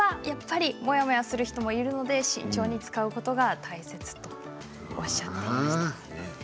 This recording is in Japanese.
やっぱりモヤモヤする人もいるので慎重に使うことが大切とおっしゃっていました。